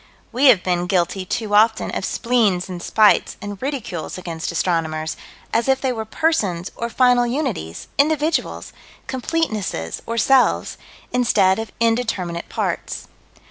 We have been guilty too often of spleens and spites and ridicules against astronomers, as if they were persons, or final unities, individuals, completenesses, or selves instead of indeterminate parts.